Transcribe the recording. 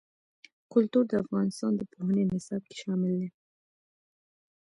کلتور د افغانستان د پوهنې نصاب کې شامل دي.